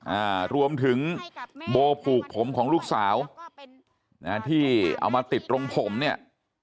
อ่ารวมถึงโบผูกผมของลูกสาวนะที่เอามาติดตรงผมเนี่ย